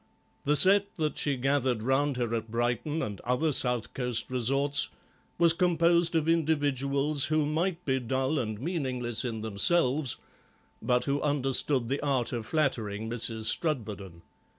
The set that she gathered round her at Brighton and other South Coast resorts was composed of individuals who might be dull and meaningless in themselves, but who understood the art of flattering Mrs. Strudwarden.